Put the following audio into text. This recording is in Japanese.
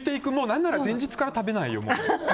何なら前日から食べないよ。